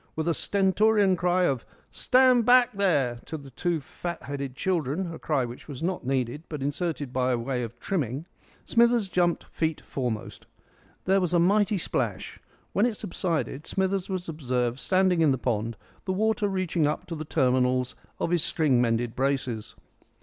With a stentorian cry of "Stand back, there!" to the two fat headed children a cry which was not needed, but inserted by way of trimming Smithers jumped feet foremost. There was a mighty splash. When it subsided, Smithers was observed standing in the pond, the water reaching up to the terminals of his string mended braces.